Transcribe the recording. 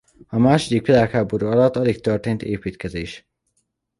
A második világháború alatt alig történt építkezés.